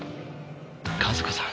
和子さん。